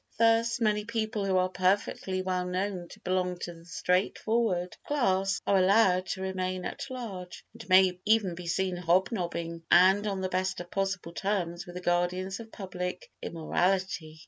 Thus many people who are perfectly well known to belong to the straightforward class are allowed to remain at large and may even be seen hobnobbing and on the best of possible terms with the guardians of public immorality.